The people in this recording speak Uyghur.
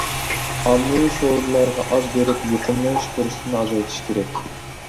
ئاممىۋى سورۇنلارغا ئاز بېرىپ، يۇقۇملىنىش پۇرسىتىنى ئازايتىش كېرەك.